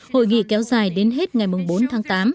hội nghị kéo dài đến hết ngày bốn tháng tám